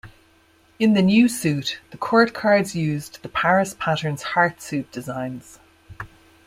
In the new suit, the court cards used the Paris pattern's heart suit designs.